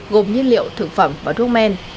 dùng nhiên liệu thực phẩm và thuốc men